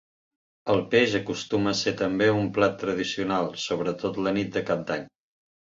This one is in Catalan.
El peix acostuma a ser també un plat tradicional, sobretot la nit del Cap d'Any.